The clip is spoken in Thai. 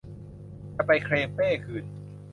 จะไปเคลมเป้คืน